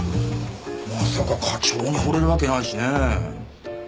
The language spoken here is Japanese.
まさか課長にほれるわけないしね。